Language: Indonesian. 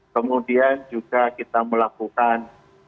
kemudian juga kita melakukan